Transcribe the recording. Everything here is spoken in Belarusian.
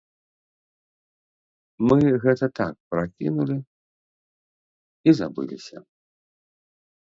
Мы гэта так пракінулі і забыліся.